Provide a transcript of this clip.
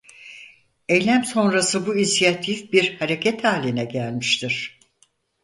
Eylem sonrası bu inisiyatif bir hareket haline gelmiştir.